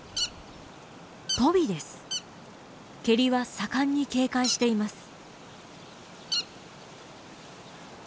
ケリは盛んに警戒しています。